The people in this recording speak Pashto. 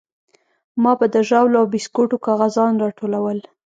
ما به د ژاولو او بيسکوټو کاغذان راټولول.